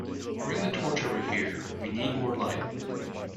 Bring the torch over here; we need more light